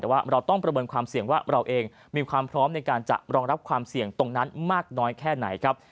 แต่ว่าเราต้องประเมินความเสี่ยงว่าเราเองมีความพร้อมในการจะรองรับความเสี่ยงตรงนั้นมากน้อยแค่ไหนครับ